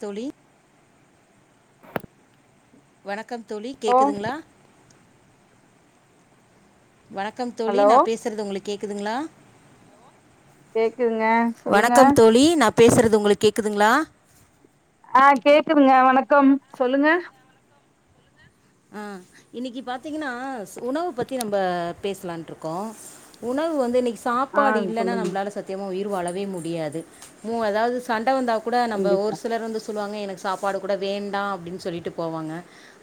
தோழி வணக்கம் தோழி ஹலோ கேக்குதுங்களா வணக்கம் தோழி ஹலோ நான் பேசுறது உங்களுக்கு கேக்குதுங்களா கேக்குதுங்க சொல்லுங்க பேசுறது உங்களுக்கு கேக்குதுங்களா ஆஹ் கேக்குதுங்க வணக்கம் சொல்லுங்க ஆ இன்னைக்கு பாார்த்தீங்கன்னா உணவு பத்தி நம்ம பேசலான் இருக்கோம் உணவு வந்து இன்னைக்கு ஆ சாப்பாடு இல்லைன்னா சொல்லுங்க நம்மளால சத்தியமா உய வளவே முடியாது மூ அதாவது சண்டை வந்தாக்க கூட நம்ம கண்டிப்பா ஒரு சிலர் வந்து சொல்லுவாங்க எனக்கு சாப்பாடு கூட வேண்டாம் அப்படின்னு சொல்லிட்டு போவாங்க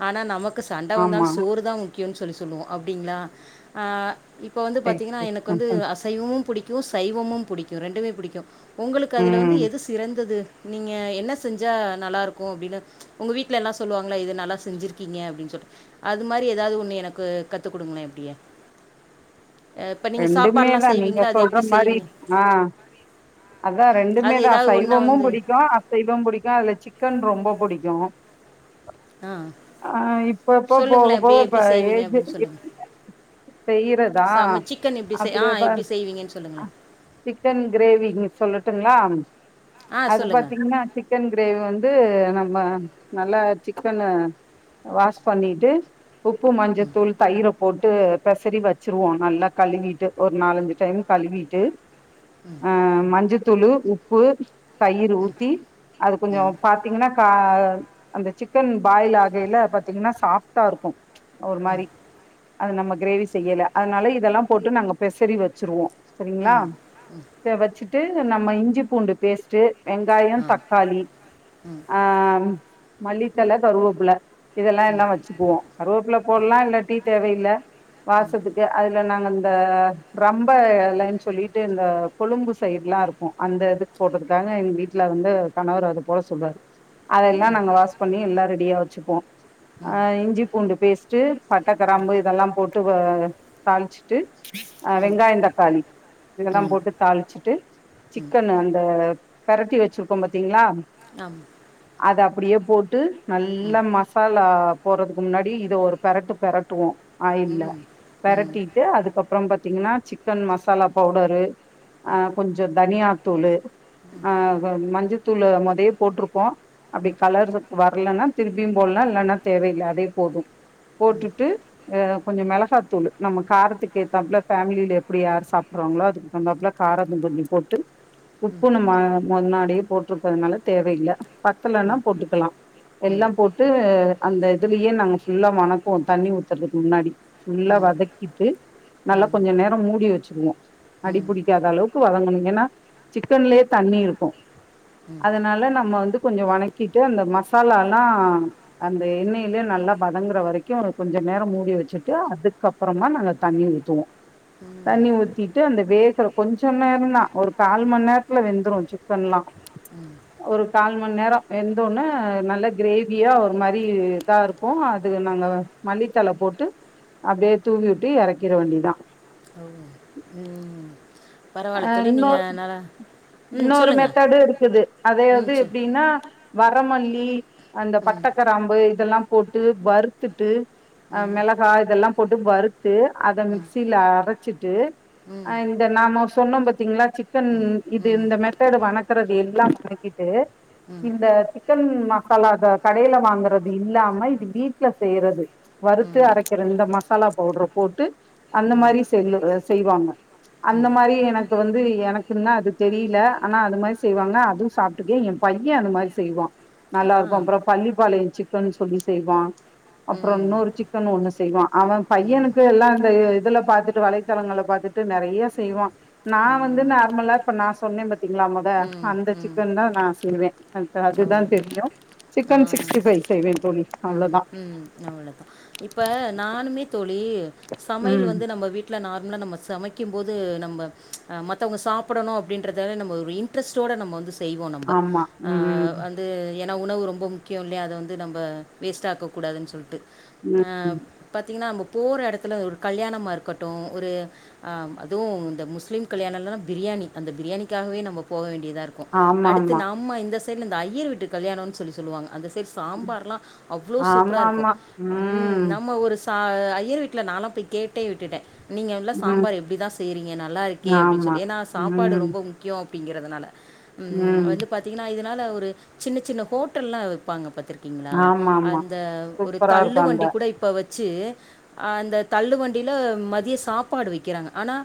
ஆனா நமக்கு கசாண்டா வந்தும் ஆமா சோர்த உ முக்கியோன்னனு சொல்லி சொல்லுவோம் அப்படிங்களா இப்ப வந்து பாத்தீங்கன்னா எனக்கு வந்து அசைவமும் புடிக்கும் பிக்கும் சைவமும் பிடிக்கும் ரெண்டுமே பிடிக்கும் உங்களுக்கு அதில் வந்து ம் எது சிறந்தது நீங்க என்ன செஞ்சா நல்லா இருக்கும் அப்படின்னு உங்க வீட்டுல எல்லாம் சொல்லுவாங்களா இது நல்லா செஞ்சிருக்கீங்க அப்படின்னு சொல்ல சொல்றேன் அது மாதிரி ஏதாவது ஒண்ணு எனக்கு கத்து குடுங்களேன் எப்படியா ரெண்டுமே தான் நீங்க சொல்ற மாதிரி செய்வீங்க ஆஹ் அதான் அது ரெண்டுமே தான் ஏதாவது ஒன்றா சைவமும் வந்து பிடிக்கும் அசைவம் பிடிக்கும் அதுல சிக்கன் ரொம்ப பிடிக்கும் ஆ [inaudible] ஆஹ் இப்ப இப்ப போக சொல்லுங்களேன் போக எப்படியே ப எப்படி செய்வீங்க அப்படின்னு சொல்லுங்கள் செய்யறதா சம சிக்கன் எப்படி செய் ஆ அப்படிய எப்படி செய்வீங்கன்னு சொல்லுங்களேன் சிக்கன் கிரேவி சொல்லட்டுங்களா ஆ அது சொல்லுங்கள் பாத்தீங்கன்னா சிக்கன் கிரேவி வந்து நம்ம நல்லா சிக்கன் வாஷ் பண்ணிட்டு உப்பு மஞ்சத்தூள் தயிரப்பு ட்டு பெசறி வச்சிருவோம் நல்லா கழுவிட்டு ஒரு நாலஞ்சு டைம் கழுவிட்டு ம் அஹ் மஞ்ச துளுு உப்பு தயிர் ஊச்சி அது ம் கொஞ்சம் பாார்த்தீங்கன்னா அந்த சிக்கன் பாயில் ஆகையில பாத்தீங்கன்னா சாஃப்டா இருக்கும் ஒருர் ம் மாதிரி அது நம்ம கிரேவி செய்யல அதனால இதெல்லாம் போட்டு நாங்க பெசறி வச்சிருவோம் சரிங்களா ம் ச வச்சு ட்டு நம்ம இஞ்சி பூண்டு பேஸ்ட்ட் வெங்காயம் ஆ தக்காளி ம் ஆஹ் மல்லித்தல கருவப்புல இதெல்லாம் எல்லாம் வச்சுக்குவோம் ரோப்ல போடலாம் இல்லா தேவையில்ல்ல வாசத்துக்கு அதுல நாங்க இந்த ரொம்ப இலைன்னு சொல்லிட்டு இந்த கொழும்பு சைடடுல்லாம் இருக்கும் அந்த இது போட்டறதுக்காக எங்க வீட்டுல வந்து கணவர் அதை போட சொல்லுவாரு ம் அதெல்லாம் நாங்க வாஷ் பண்ணி எல்லாம் ரெடிகுது ச்சுப்போம் ம் ஆஹ் இஞ்சி பூண்டு பேஸ்ட்ட் பட் ட்ட கிராம்பு இதெல்லாம் போட்டு வ தாள்ச்சிட்டு அஹ் ம் ம் வெங்காயம் தக்காளி இதெல்லாம் ம் போட்டு தாளிச்சுட்டு ம் சிக்கன் அந்த பெரட்டி வச்சிருக்கோம் பாத்தீங்களா ஆமம் அதை அப்படியே போட்டு நல்ல மசாலா போறதுக்கு முன்னாடி இது ஒரு பெரட்டு பெரட்டுவோம் ஆயில்ல ம் ம் ம் பெரட்டிட்டு அதுக்கப்புறம் பத் ன்னா சிக்கன் மசாலா பவுடரு ஆஹ் கொஞ்சம் தனியாத்தூள்ளு ஆஹ் வ மஞ்சு துல மொதயே போட்டிருப்போம் அப்டி கலர் வரலன்னா திருப்பியும் போட்லா இல்லைன்னா தேவயில்ல அதே போதும் போட்டுட்டு ஆ கொஞ்ச மிளகாத்தூள்ளு நம்ம காரத்துக்கு ஏத்தாப்புல ஃபேமிலியில எப்படி யார் சாப்புடுவாங்களோ அதுக்கு வந்தாப்புல காரம் அதும் கொஞ்சம் போட்டு உப்பு நம்மா முன்னாடி போட்டிருக்கதுனால தேவையில்ல பத்தலன்னா ம் போட்டுக்கலா ம் எல்லா போட்டு அந்த இதுலயே நாங்க ஃபுல்லா மன தண்ணி ஊத்துறதுக்கு முன்னாடி ஃபுல்லா வதக்கிட்டு ம் நல்லா ம் கொஞ்ச நேரம் மூடி வச்சுக்குவோ அடி புடிக்காத அளவுக்கு வதங்கணு ஏன்னா சிக்கன்லயே தண்ணி இருக்கு ம் அதனால நம்ம வந்து கொஞ்ச வனக்கிட்டு அந்த மசாலால்லாம் அந்த எண்ணெயிலயே நல்லா வதங்குற வரை கொஞ்சம் நேரம் மூடி வச்சுட்டு அதுக்கப்புறமா நாங்க தண்ணி ஊத்துவோ ம் தண்ணி ஊத்திட்டு அந்த வேக்கற கொஞ்ச நேரம் தான் ஒரு கால் மண் நேரத்துல வெந்துடும் சிக்கன்லாம் ஒரு கால் மண் நேரம் வெந்தோனே நல்ல கிரேவியா ஒரு மாதிரி இதா இருக்கும் அது நாங்க மல்லித்தலை போட்டு அப்படியே தூவி விட்டு இறக்கிற வண்டிதான் ஓ உம் பரவாயில்லை அ தொல்லி இன்னொ நீங்க நல இன்னொரு மெத்தடு இருக்குது ம் அதையாவது சொல் எப்படின்னா வரமல்லி அந்த ம் பட்டக்கராம்பு இதெல்லாம் போட்டு வறுத்துட்டு அ ம் மெளகா இதெல்லாம் போட்டு வறுத்து அத ம் மிக்சில அரச்சிட்டு ம் அ இந்த நாமோ சொன்னொம் பாத்திங்களா சிக்கன் ம் இது இந்த மெத்தடு வணக்கறது எல்லாம் கணக்கிட்டு ம் ம் இந்த சிக்கன் மசாலா கடையில வாங்கறது இல்லாம இது வீட்ல செய்யறது வறுத்து ம் அரக்கிற இந்த மசாலா பவுட்ர போட்டு அந்த மாரி செல்லு அ செய்வாங்க அந்த ம் மாரி எனக்கு வந்து எனக்குன்னா அது தெரிய்ல ஆனா அது மாதி செய்வாங்க அதுவும் சாப்டுக்கேன் என் பையன் அது மாதிரி செய்வான் ஆ நல்லாருக்கும் அப்றோ பள்ளிப்பாளையம் சிக்கனு சொல்லி செய்வான் அப்றோ ம் இன்னொரு சிக்கன் ஒண்ணு செய்வான் அவன் பையனுக்கு எல்லாம் இந்த இதுல பாத்துட்டு வலைத்தளங்கள்ல பாத்துட்டு நெறைய்ய செய்வான் ஆ நான் வந்து நார்மலா ப்ப நான் சொன்னே பாத்திங்ளா மொத ம் அந்த ம் சிக்கன் தான் நான் செய்வேன் அந்த ஓ அதுதான் தெரியு சிக்கன் ஆ சிக்ஸ்ட்டிஃபைவ் செய்வேன் தோழி அவ்ளோதா ம் அவ்வளதா இப்ப நானுமே தோழி சமயல் ம் வந்து நம்ம வீட் ல நார்மலா நம்ம சமைக்கும் போது நம்ம மத்தவங்க சாப்டணு அப்டின்றத நம்ம ஒரு இன்ட்ரெஸ்டோட நம்ம வந்துஸ் செய்வோ நம்ப ஆமா அ ம் வந்து ஏனா உணவு ரொம்பொ முக்கியொ இல்லைய அத வந்து நம்ப வேஸ்டா போக்கூடாதுன் சொல்ட்டு ம் ஆஹ் பாத்திங்னா போற எடத்துல ஒரு கல்யாணமா இருக்கட்டு ஒரு அ அதுவு இந்த முஸ்லிம் கல்யாணல்லனா பிரியாணி அந்த பிரியாணிக்காகவே நம்ம போக வேண் இதா இருக்கு ஆமா அடுத்து ஆமா நம்ம இந்தஸ் தன் இந்த ஐயருவீட்டு கல்யாணோனு சொல்லி சொல்லுவாங்க அந்த சாம்பார்லா அவ் ளோ ஆமா சூப்ராருக்கு ஆமா ம் நம்ம ஒரு ச ஐயர் வீட்ல நாலா போய் கேட்டே விட்டுட்டேன் நீங்கள் இவ்ள ம் சாம்பார் எப்டி தான் செய்கிறீங்க நல்லாருக்கே அப்டி ஆமா சொல்லி ஏன்னா சாப்பாடு ம் ரொம்ப முக்யோ அப்டிங்கிறதுனால ம் வந்து பாத்திங்கனா இத னால ஒரு சின்ன சின்ன ஹோட்டல்லா வெப்பாங்க பாத்துருக் கிங்ளா ஆமா ஆமா அந்த ஒரு சூப்பரா தள்ளு இருக்கு அந்த வண்டி கூட இப்ப வ ச்சு அந்த தள்ளுவண்டில மதிய சாப்பாடு வெக்கிறாங்க ஆனா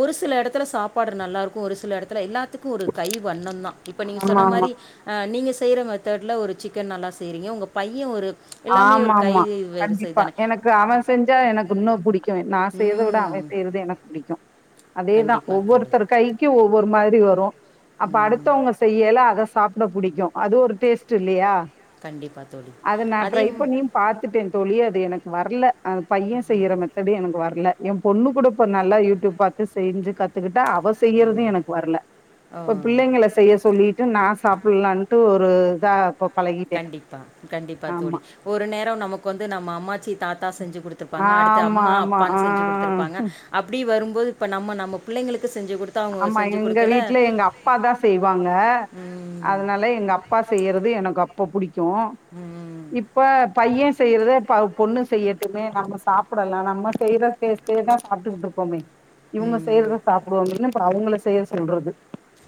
ஒரு சில எடத்துல சாப்பாடு நல்லாருக்கு ஒரு சில எடத்துல எல்லாத் த்துக்கு ஒரு கை வண்ணொந்தா இப்ப நீங்க சொன்ன ஆமா ஆமா மாரி அ நீங்க செய்ற மெத்தட்ல ஒரு சிக்கன் நல்லா செய்றிங்க உங்க பை இ ஒரு எல்லாமே ஆமா ஒரு கை ஆமா வரிசை கண்டிப்பா தானே எனக்கு அவன் செஞ்சா எனக்கு இன்னும் பிடிக்கும் நான் செய்றத விட ம் அவன் செய்றது எனக்கு பிடிக்கும் அதேதா கண்டிப்பாக தோழி ஒவ்வொருத்தர் கைக்கு ஒவ் ஒரு மாதிரி வரு அப்ப ம் அடுத்தவங்க செய்யல அத சாப்ட புடிக்கு அது ஒரு டேஸ்ட் இல்லையா கண்டிப்பா தோழி அத நா அத் ட்ரை பண்ணியு பாத்துட்டே தோழி அது எனக்கு வர்ல அந்த பையன் செய்யுற மெத்தேடு எனக்கு வர் இல்ல ஏம்பொண்ணு கூட இப்ப நல்லா யூடியூப் பாத்து செய்ஞ்சு கத்துக்கிட் ட்டா அவ செய்யறது எனக்கு வரல இப்ப ஆ பிள்ளைங்கள செய்ய சொல்லிட்டு நா சாப் லான்ட்டு ஒரு இதா பழகிட்டே கண்டிப்பா கண்டிப்பா தோழி ஆமா ஒரு நேரோ நமக்கு வந்து நம்ம அம்மாச்சி தாத்தா செஞ்சி குடுத்திருப்பாங்க அடுத்த ஆமா அம்மா ஆமா அப்பானு செஞ்சு ஆ குடுத்திருப்பாங்க அப்படி வரும் போது இப்ப நம்ம நம்ம பிள்ளைங்களுக்கு செஞ்சு குடுத்து, அவங்க ஆமா செஞ்சு எங்க குடுக்கல வீட்டுல எங்க அப்பாதா செய்வாங்க ம், அதனால எங்க அப்பா செய்யறது எனக்கு அப் இப்ப புடி சு ம், இப்ப பைய செய்யறது பாவ் பொண்ணு செய்யட்டுமே நம்ம சாப்பிடலா நம்ம செய்ற டேஸ்ட்டு தா சாப்ட்டுக்கிட்டு இருக்கோமே இவுங்க ம். செய்றத சாப்பிடுவோமேனு அவங்கள செய்ய சொல்றது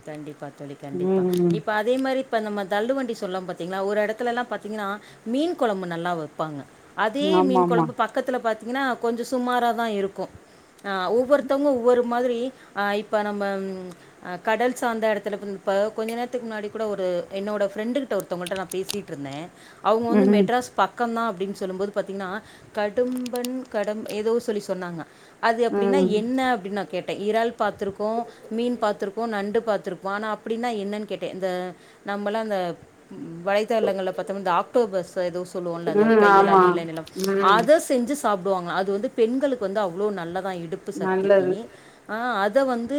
கண்டிப்பா தோழி கண்டிப்பா ம் இப்ப அதே மாரி இப்ப நம்ம தள்ளு வண்டி சொல்லம் பாத்தீங்களா ஒரு இடத்துல எல்லா பாத்தீங்கன்னா மீன் கொழம்பு நல்லா வப்பாங்க அதே மீன் ஆமாமா. கொழம்பு பக்கத்துல பாத் பாத்திங்ன்னா கொஞ்ச சுமார தா இருக்கு ஆ ஒவ்வொருத்தவங்க ஒவ்வொரு மாதிரி ஆ இப்ப நம்ம ம் ஆ கடல் சார்ந்த இடத்துல வந் இப்ப கொஞ்ச நேரத்துக்கு முன்னாடி கூட ஒரு என்னோட ஃப்ரெண்டுக்கிட்ட ஒருத்தவங்கள்ட்ட நா பேசிட்டு இருந்தே அவுங்க வந்து ம் மெட்ராஸ் பக் பக்க தா அப்டின்னு சொல்லு போது பாத்தீங்னா கடும்பன் கடம் ஏதோ சொல்லி சொன்னாங்க அது அப்படின்னா ம் என்ன அப்படின்னு நா கேட் இறால் பாத்திருக்கோ மீன் பாத்திருப் போ நண்டு பாத்திருப்போ ஆனா அப்படின்னா என்னன்னு கேட்டே இந்த நம்மலா இந்த வலைத்தளங்கள்ள பாத்தோம்னா இந்த ஆக்டோபஸ் ஏதோ சொல்லுவோம்ல இந்த ம் கை எல்லா ஆமா. நீள நீளம் ம் அத செஞ்சி சாப்பிடுவாங்க அத் அது வந்து பெண்களுக்கு வந்து அவ்ளோ நல்ல இடுப்பு சக்திக்கு நல்லது. ஆ அத் இத வந்து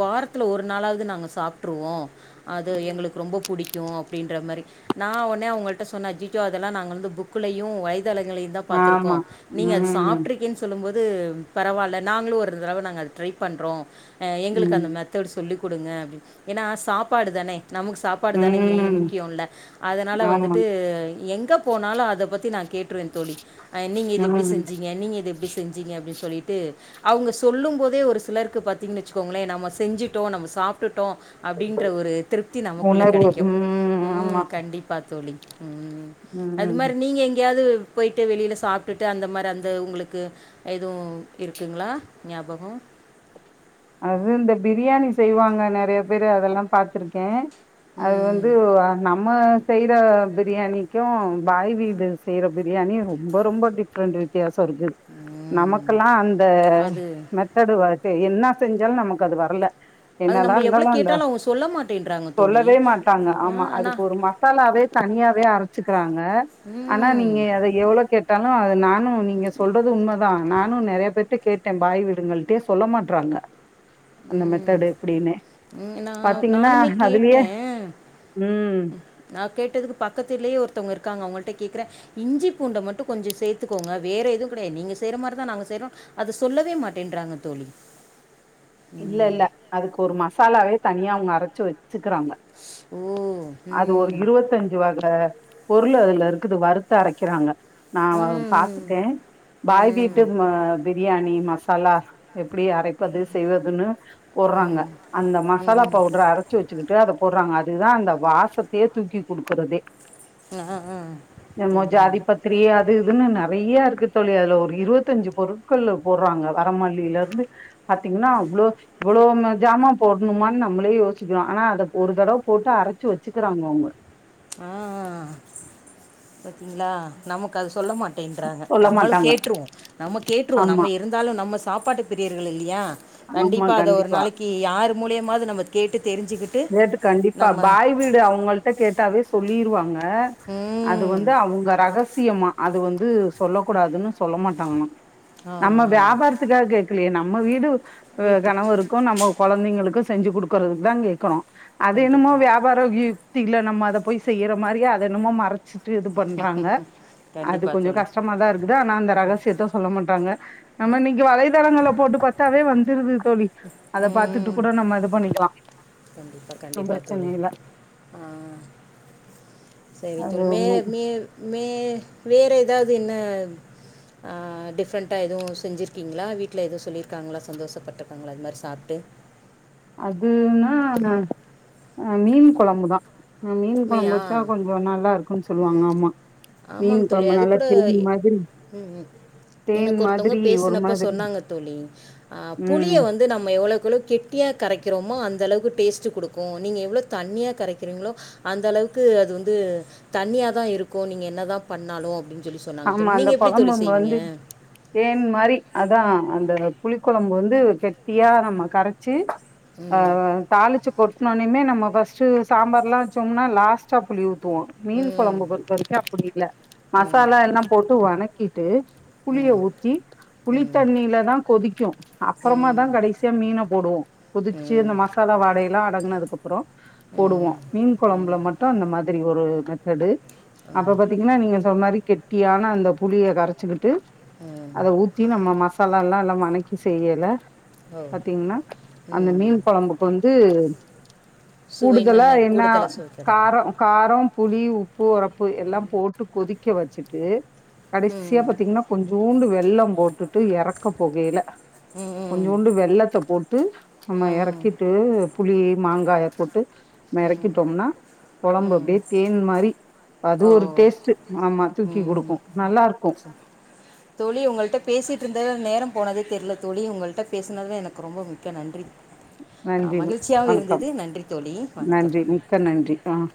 வாரத் ஒரு நாளாவது நாங்க சாப்பிட்ருவோ அது ம் எங்களுக்கு ரொம்ப புடிக் க்கு அப்படின்ற மாரி நா உடனே அவங்கள்ட்ட சொன்னே அஜிச்சோ அதெல்லா நாங்க வந்து புக்குலயு வயி தளங்களையுந்தா பாத்ருக்கோ ஆமா. நீங்க அது ம் சாப்ட்றிக்கேன் சொல்லும் போது அது பரவால்ல நாங்களு ஒரு தரவ நாங்க அத ட்ரை பண்றோ எங்களுக்கு ம் அந்த மார் சொல்லி் குடுங்க அப்டி ஏனா சாப்பாடு தானே நமக்கு சாப்பாடு தானே மெயின் ம் முக்கியோ ல அதனால ஆமா. வந்துட்டு எங்க போனாலோ அத பத்தி நா கேட்ருவே தோழி நீங்க இது எப்டி ம் செஞ்சீங்க நீங்க இது எப்டி செஞ் செஞ்சீங்க அப்டின்னு சொல்லிட்டு அவுங்க சொல்லும் போதே ஒரு சிலருக்கு பத்தீங்கன்னு வச்சுக்கோங்களே நம்ம செஞ்சுட் டோ நம்ம சாப்ட்டுட் டோ அப்டின்ற ஒரு திருப்தி நமக்குள்ள உணர்வு கெடைக்கோ ம் ஆமா. கண்டிப்பா தோலி ம் அது ம். மார் நீங்க எங்கேயாது போய்ட்டு வெளில சாப்ட்டுட்டு அந்த மார் அந்த உங்களுக்கு எதுவு இருக்குங்க்ளா ஞாபகோ அது இந்த பிர்யாணி செய்வாங்க நெறய பேரு அதெல்லா பாத்துருக்கே அது வந்து ம் வ நம் நம்ம செய்யற பிரியாணிக்கு பாய் வீடு செய்ற பிரியாணி ரொம்ப ரொம்ப டிஃப்ரெண்டு வித்தியாச் சொ இர்கு ம் நமக்கல்லா அந்த அது மெதடு வ எ என்னா செஞ்சாலு நமக்கு அது வர்ல அது என்னதா நம்ம எவ்வளோ இந்தாலு அந்த கேட்டாலும் அவங்க சொல்ல மாட்டேன்றாங்க தோழி சொல்லவே மாட்டாங்க ஆ, ஆமா அண்ணா அதுக்கு ஒரு மசாலாவே தனியாவே அரச்சுக்றாங்க ஆனா ம் நீங்க அத எவ்ளோ கெ தங்கோ அது நானு நீங்க சொல்றது உண்மதா நானு நெறய பேர்க் ட்ட கேட்டே பாய் வீடுங்கள்ட்டே சொல்ல மாட்றாங்க அந்த ம் மெதட் எப்டின்னு ம், நான் பாத்தீங்கனா நானுமே அதுலயே கேட்டேன் ம் ம் நா கேட்டதுக்கு பக்கத்து வீட்லயே ஒருத்தவங்க இருக்காங்க அவங்கள்ட்ட கேக்குற இஞ்சி பூண்ட மட்டு கொஞ்சோ சேத்துகோங்க வேற எதுவு கிடையா நீங்க செய்ற மாரிதா நாங்க செய்றோ அத சொல்லவே மாட்டேன்றாங்க தோலி இல்ல இல்ல அதுக்கு ஒரு மசாலாவே தனியா அவுங்க அரச்சு வெச்சுக்குறாங்க ஓ அது ஒரு ம் இருவத்தஞ்சு வக பொருள் அதுல இருக்குது வருத்து அரைக்குறாங்க நா வ ம் ம் பாத்துக்கே பாய் வீட்டு ம் வ பிரியாணி ம சாலா எப்டி அரை செய்வதுன்னு போட்றாங்க அந்த மசாலா ம் ம் பவுடர அரச்சு வெச்சுக்குட்டு அத போட்றாங்க அ தா அந்த வாசத்தையே தூக்கி குடுக்குறதே ஆ ஆ நம்மொ அப்படிங்களா ஜாதி பத்திரி அது இதுன்னு நெறய்ய இருக் க்கு தோலி அதுல ஒரு இருவத்தஞ்சு பொருட்கள் போறாங்க வரமல்லிலருந்து பத் தீங்கன்னா அவ்ளோ இவ்ளோனு ஜாமா போட்ணுமான்னு நம்மளே யோஸ்சிக்றோ ஆனா அத ஒரு தடவ போட்டு அரச்சு வெச்சுக்கிறாங்க அவுங்க ஆ பாத்திங்க்ளா நமக்கு அது சொல்ல மாட்டேன்றாங்க சொல்ல நம்மள் மாட்டாங்க கேட்ருவோ நமக் கேட்டுருவோ ஆமா நம்ம இருந்தாலு நம்ம சாப்பாட்டு பிரியர் இல்லியா கண்டிப்பா அத ஒரு நாளைக்கி யார் மூலியமாது நம்ம கேட்டு தெரிஞ்சுக்கிட்டு கேட்டு கண்டிப்பா நம்ம பாய் வீடு அவங்கள்ட்ட கேட்டாவே சொல்லிருவாங்க அ... அது ம் வந்து அவங்க ரகசியமா அது வந்து சொல்ல கூடாதுன்னு சொல்ல மாட்டாங்க ஆ, நம்ம வியாபாரத்துக்காக கே்கலயே நா ம்ம வீடு அ.. வீட்டுக்கு கனவு இருக்கும் நம்ம கொழந்தைங்களுக்கு செஞ்சு கொடுக்குறது தாங்க க்கனும் அது என்னமோ கண்டிப்பாக வியாபாரோ டில நம்ம அத போய் செய்யற மாரி அத என்னமொ மறச்சி இது பண்றாங்க அது கண்டிப்பாக கொஞ்சம் தோழி கஷ்டமா தான் இருக்குது ஆனா அந்த ரகசியத்த சொல்ல மாட்டாங்க நம்ம இன்னிக்கி வலைதளங்கள்ள போட்டு பாத்தாவே வந் [unintelligible] தோழி அத பாத்துட்டு கூட நம்ம இது பண்ணிக்கலாம் கண்டிப்பா கண்டிப்பா தோழி ஆ செரி அது தோழி மே ஒன்னு மே வேறே ஏதாது என்ன ஆ.. டிஃப்ரெண்டா எதுவும் செஞ்சிருக்கீங்களா வீட்ல எதும் சொல்லிருக்காங்களா சந்தோஷப்பட்டிருக்காங்களா இது மாரி சாப்ட்டு அதுனா நா மீன் கொழம்புதான் நா.. மீன் கொழம் மீயா வச்ச கொஞ்சம் நல்லா இருக்கும் சொல்வாங்க ஆமா ஆமாங் தோழி அது கூட உம் தேன் எனக்கு ஒருத்தவங்க மாதிரி ஒரு பேசனப்ப மாதிரி சொன்னாங்க தோழி ஆ புளிய ம் வந்து நம்ம எவ்ளோக்கேவ்ளோ கெட்டியா கரைக்கிறோமோ அந்த அளவுக்கு டேஸ்ட்டு கொடுக்கும் நீங்க எவ்வளோ தண்ணியா கரக்கிறீங்களோ அந்த அளவுக்கு அது வந்து தண்ணியா தான் இருக்கும் நீங்க என்னதான் பண்ணாலும் அப்டின்னு ஆமா அந்த கொழம்பு வந்து தேன் மாரி ஆ... அந்த புளி கொழம்பு வந்து கெட்டியா நம்ம கரச்சு ஆ.. ம் தாலுச்சு [unintelligible] நம்ம ஃபர்ஸ்ட் சாம்பார்லாம் வச்சோம்னா லாஸ்ட புளி. மீன் ம் கொழம்பு பொறுத்த வரைக்கும் அப்டி இல்ல ம் ம் அவ்ளோ எல்லாம் போட்டுவல வணக்கி டு.. புளிய ஊத்தி புளி ம் தண்ணில தான் கொதிக்கும் அப்றமா தான் கடைசியா மீன போடுவோம் கொதிச்சு ம் இந்த மசாலா வாடையெல்லாம் அடங்கனதுக்கு அப்றோம் ம் போடுவோம் ம் மீன் கொழம்புல மட்டும் அந்த மாதிரி ஒரு கச்சடு அப்ப பாத்தீங்கன்னா நீங்க சொன்ன மாதிரி கெட்டியான அந்த புளிய கரைச்சு ம் அத ஊற்றி நம்ம ம தல எல்லாம் எல்லாம் வனைக்கி செய்யல ஓ பாத்தீங்கன்னா அந்த ம் மீன் குழம்புக்கு வந்து சுவை கூடுதலா நன்ன என்ன கூடுதலாக சுவை கிடைக்கும் காரம் காரம் புளி உப்பு உரப்பு எல்லாம் போட்டு கொதிக்க வச்சுட்டு கடைசியா ம் பாத்தீங்கன்னா கொஞ்சோண்டு வெள்ளம் போட்டு ட்டு இறக்க போகல ம் கொஞ்ச ம் கொண்டு வெள்ளத்தை போட்டு நம்ம ம் இறக்கிட்டு புளி மாங்க ம், மக்கிட்டோம்னா குழம்பு ம் அப்படியே தேன் மாதிரி அது ஒரு டேஸ்ட் ஆமா தூக்கி உம் குடுக்கு நல்லா இருக்கு தோழி உங்கள்கிட்ட பேசிட்டு இருந்த நேரம் போனதே தெரியல தோழி உங்கள்கிட்ட பேசினதுத எனக்கு ரொம்ப முக்கிய நன்றி ஆஹ் நன்றி மகிழ்ச்சியாவ வணக்கம் இருந்தது நன்றி தோழி நன்றி வணக்கம் மிக்க நன்றி ஆஹ்